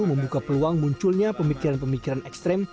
membuka peluang munculnya pemikiran pemikiran ekstrem